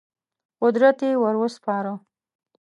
قدرت یې ور وسپاره.